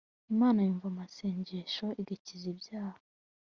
imana yumva amasengesho, igakiza ibyaha